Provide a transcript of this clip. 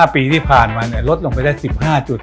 ปีที่ผ่านมาลดลงไปได้๑๕จุด